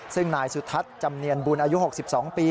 ซึ่งนายสุทัศน์จำเนียนบุญอายุ๖๒ปี